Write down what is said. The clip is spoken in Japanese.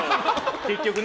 結局ね。